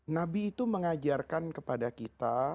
nabi itu mengajarkan kepada kita